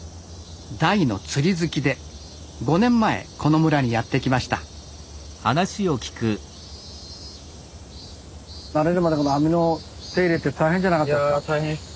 大の釣り好きで５年前この村にやって来ました慣れるまでこの網の手入れって大変じゃなかったですか？